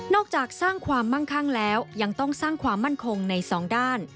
จากสร้างความมั่งคั่งแล้วยังต้องสร้างความมั่นคงในสองด้าน